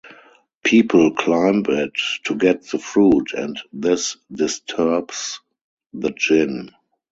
People climb it to get the fruit, and this disturbs the jinn.